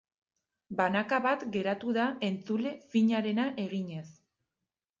Banaka bat geratu da entzule finarena eginez.